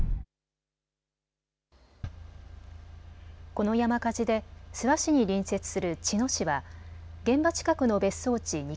この山火事で諏訪市に隣接する茅野市は現場近くの別荘地２